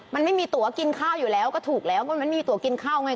มันไม่มีตัวกินข้าวอยู่แล้วก็ถูกแล้วก็มันไม่มีตัวกินข้าวไง